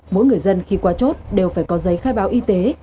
mỗi người dân khi qua chốt đều phải có giấy khai báo y tế